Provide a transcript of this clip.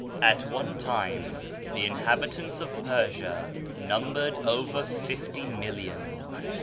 At one time the inhabitants of Persia numbered over fifty millions.